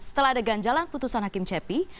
setelah adegan jalan putusan hakim cepi